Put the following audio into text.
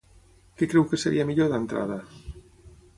Què creu que seria millor, d'entrada?